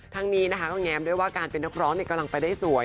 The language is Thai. ทั้งนี้นะคะก็แง้มด้วยว่าการเป็นนักร้องกำลังไปได้สวย